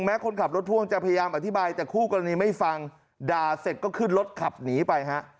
คนขับรถพ่วงจะพยายามอธิบายแต่คู่กรณีไม่ฟังด่าเสร็จก็ขึ้นรถขับหนีไปฮะ